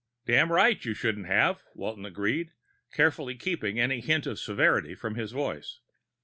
"Damned right you shouldn't have," Walton agreed, carefully keeping any hint of severity from his voice.